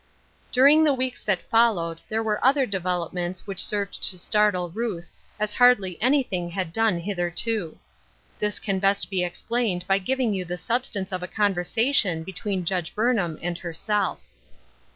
During the weeks that followed there were other developments which served to startle Ruth 252 Ruth Erskine's Crosses, as hardly anything had dene hitherto. Thev can best be explained by giving you the sub stance of a conversation between Judge Burn ham and herself.